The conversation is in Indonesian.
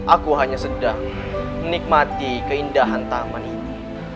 aku hanya sedang menikmati keindahan taman ini